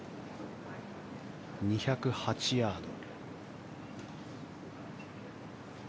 ２０８ヤード。